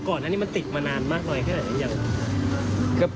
ก่อนนั้นมันติดมานานมากเลยแค่ไหนอย่างนี้ยัง